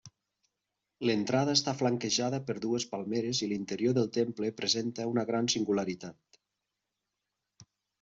L'entrada està flanquejada per dues palmeres i l'interior del temple presenta una gran singularitat.